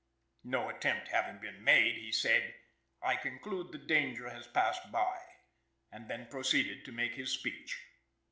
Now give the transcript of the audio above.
No attempt having been made he said: 'I conclude the danger has passed by;' and then proceeded to make his speech."